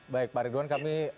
baik pak ridwan kami